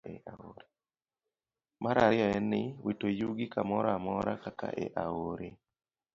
Mar ariyo en ni, wito yugi kamoro amora, kaka e aore.